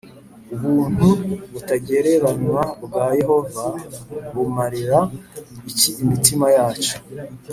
Ubuntu butagereranywa bwa Yehova bumarira iki imitima yacu